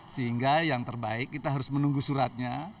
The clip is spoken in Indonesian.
sehingga yang terbaik kita harus menunggu suratnya